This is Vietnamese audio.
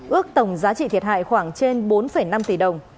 ước tổng giá trị thiệt hại khoảng trên bốn năm tỷ đồng